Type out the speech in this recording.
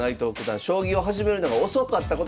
将棋を始めるのが遅かったことでも知られてます。